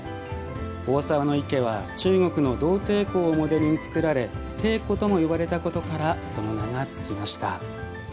大沢池は中国の洞庭湖をモデルにつくられ「庭湖」とも呼ばれたことからその名がつきました。